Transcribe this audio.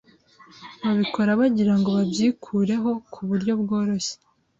babikora bagirango babyikureho ku buryo bworoshye